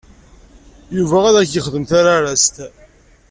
Yuba ad ak-yexdem tararast.